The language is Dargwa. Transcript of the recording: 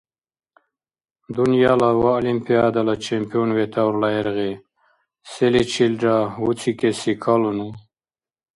Дунъяла ва Олимпиадала чемпион ветаурла гӀергъи, селичилра гьуцӀикӀеси калуну?